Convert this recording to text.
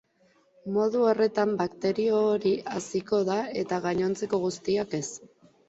Modu horretan bakterio hori haziko da eta gainontzeko guztiak ez.